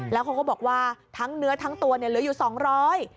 แล้วเขาก็บอกว่าทั้งเนื้อทั้งตัวเหลืออยู่๒๐๐บาท